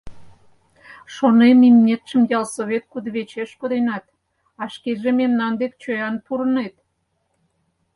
Шонем, имнетшым ялсовет кудывечеш коденат, а шкеже мемнан дек чоян пурынет.